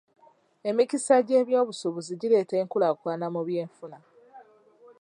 Emikisa gyeby'obusuubuzi gireeta enkulaakulana mu by'enfuna..